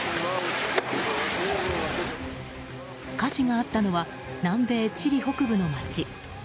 火事があったのは南米チリ北部の街。